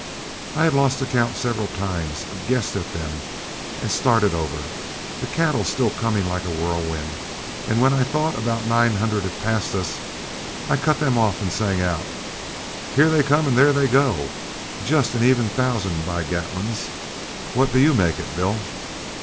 I had lost the count several times, but guessed at them and started over, the cattle still coming like a whirlwind; and when I thought about nine hundred had passed us, I cut them off and sang out, 'Here they come and there they go; just an even thousand, by gatlins! What do you make it, Bill?'